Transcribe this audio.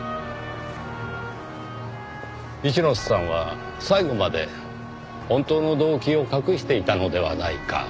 一之瀬さんは最後まで本当の動機を隠していたのではないか。